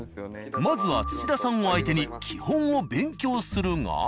まずは土田さんを相手に基本を勉強するが。